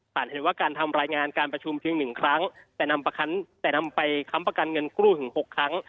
เห็นว่าการทำรายงานการประชุมเพียง๑ครั้งแต่นำไปค้ำประกันเงินกู้ถึง๖ครั้ง